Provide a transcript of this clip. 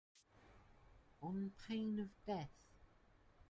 On pain of death.